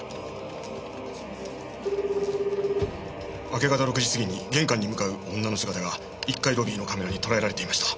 明け方６時過ぎに玄関に向かう女の姿が１階ロビーのカメラにとらえられていました。